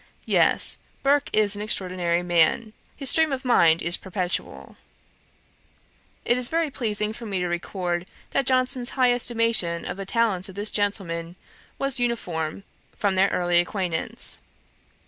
'Yes; Burke is an extraordinary man. His stream of mind is perpetual.' It is very pleasing to me to record, that Johnson's high estimation of the talents of this gentleman was uniform from their early acquaintance.